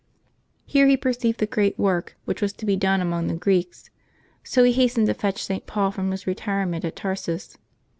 Here he per ceived the great work which was to be done among the Greeks, so he hastened to fetch St. Paul from his retire ment at Tarsus.